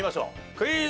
クイズ。